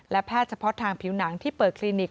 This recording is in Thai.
และแพทย์เฉพาะทางผิวหนังที่เปิดคลินิก